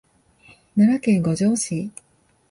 奈良県五條市